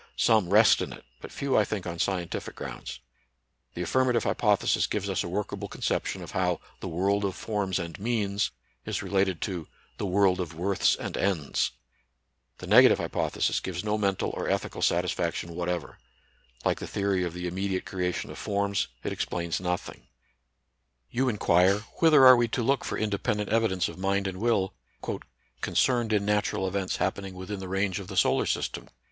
Some rest in it, but few I think on scientific grounds. The affirmative hypothesis gives us a workable conception of how "the world of forms and means" is related to "the world of worths and ends." The negative hypothesis gives no men tal or ethical satisfaction whatever. Like the theory of the immediate creation of forms, it explains nothing. 92 NATURAL SCIENCE AND RELIGION. You inquire, whither are we to look for inde pendent evidence of mind and will " concerned in natural events happening within the range of the solar system."